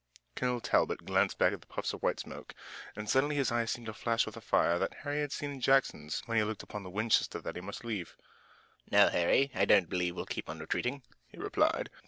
Colonel Talbot glanced back at the puffs of white smoke, and suddenly his eyes seemed to flash with the fire that Harry had seen in Jackson's when he looked upon the Winchester that he must leave. "No, Harry, I don't believe we'll keep on retreating," he replied.